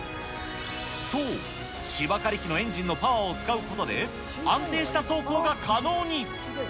そう、芝刈り機のエンジンのパワーを使うことで、安定した走行が可能に。